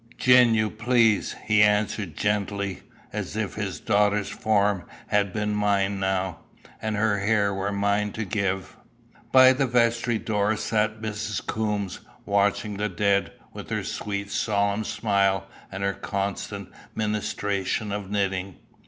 "Gin ye please," he answered gently, as if his daughter's form had been mine now, and her hair were mine to give. By the vestry door sat Mrs. Coombes, watching the dead, with her sweet solemn smile, and her constant ministration of knitting.